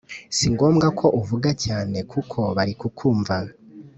Singombwa ko uvuga cyane kuko bari kukumva